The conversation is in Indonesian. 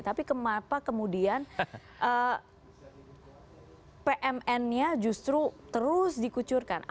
tapi kenapa kemudian pmn nya justru terus dikucurkan